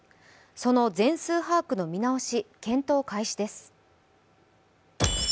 その全数把握の見直し検討開始です。